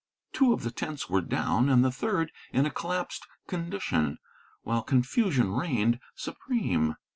Two of the tents were down, and the third in a collapsed condition, while confusion reigned supreme.